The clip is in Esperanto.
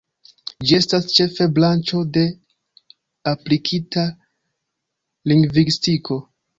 Ĝi estas ĉefe branĉo de aplikita lingvistiko.